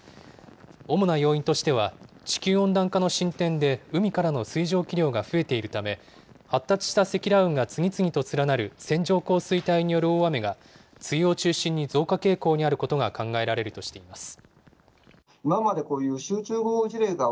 主な要因としては、地球温暖化の進展で、海からの水蒸気量が増えているため、発達した積乱雲が次々と連なる線状降水帯による大雨が、梅雨を中心に増加傾向にあることが考えられるとしています。